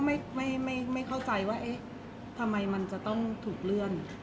ไม่ไม่เข้าใจว่าเอ๊ะทำไมมันจะต้องถูกเลื่อน